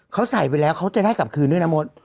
เขาใส่ไปแล้วเขาจะได้กลับคืนด้วยนะมด